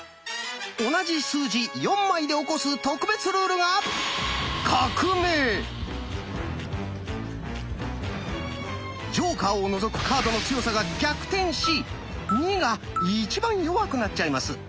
同じ数字４枚で起こす特別ルールがジョーカーを除くカードの強さが逆転し「２」が一番弱くなっちゃいます！